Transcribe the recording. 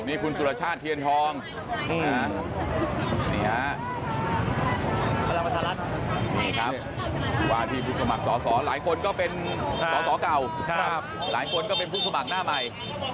นี่คุณสุรชาติเทียนทองนี่ครับหวานที่ผู้สมัครสอสอหลายคนก็เป็นสอสอเก่าหลายคนก็เป็นผู้สมัครหน้าใหม่